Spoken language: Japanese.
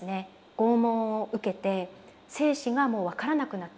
拷問を受けて生死がもう分からなくなってしまう。